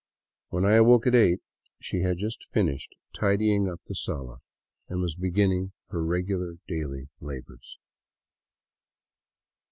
When I awoke at eight, she had just finished tidying up the sala, and was beginning her regular daily labors.